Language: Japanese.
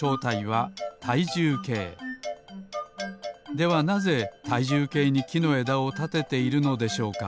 ではなぜたいじゅうけいにきのえだをたてているのでしょうか？